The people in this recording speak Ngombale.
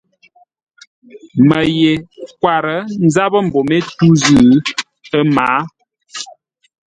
Mə́ ye kwâr ńzápə́ mbô mé tû zʉ́, ə́ mǎa.